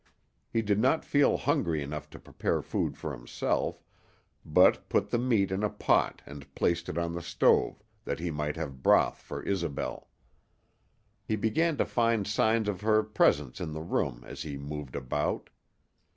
He did not feel hungry enough to prepare food for himself, but put the meat in a pot and placed it on the stove, that he might have broth for Isobel. He began to find signs of her presence in the room as he moved about.